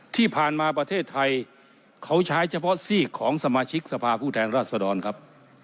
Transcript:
ที่ผ่านมาประเทศไทยเขาใช้เฉพาะซีกของสมาชิกสภาพผู้แทนราชดรครับ